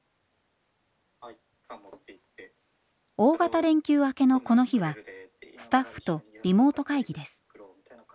大型連休明けのこの日はスタッフとリモート会議です。